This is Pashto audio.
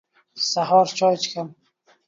سهار چاي څښم.